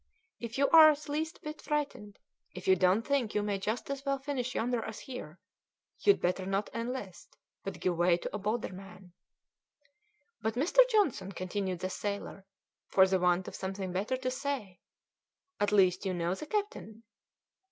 If you are the least bit frightened, if you don't think you may just as well finish yonder as here, you'd better not enlist, but give way to a bolder man." "But, Mr. Johnson," continued the sailor, for the want of something better to say, "at least you know the captain?"